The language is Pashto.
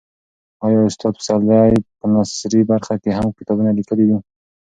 آیا استاد پسرلی په نثري برخه کې هم کتابونه لیکلي دي؟